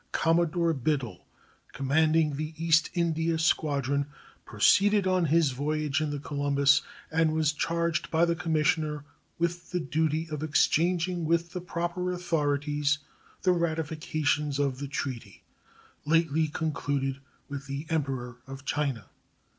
Commodore Biddle, commanding the East India Squadron, proceeded on his voyage in the Columbus, and was charged by the commissioner with the duty of exchanging with the proper authorities the ratifications of the treaty lately concluded with the Emperor of China.